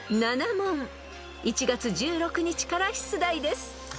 ［１月１６日から出題です］